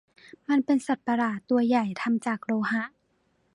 มันเป็นสัตว์ประหลาดตัวใหญ่ทำจากโลหะ